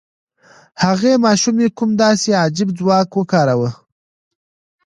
هغې ماشومې کوم داسې عجيب ځواک وکاراوه؟